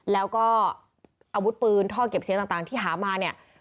แล้วก็อาวุธปืนท่อเก็บเสียงต่างที่หามาเนี่ย